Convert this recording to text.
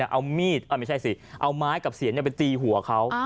เอามีดไม่ใช่สิเอาไม้กับเสียนไปตีหัวเขา